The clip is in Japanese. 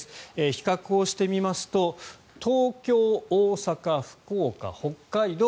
比較をしてみますと東京、大阪、福岡、北海道